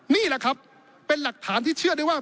นี่แหละครับเป็นหลักฐานที่เชื่อได้ว่า